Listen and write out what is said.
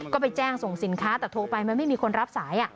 ก็ไปแจ้งส่งสินค้าแต่โทรไปมันไม่มีคนรับสาย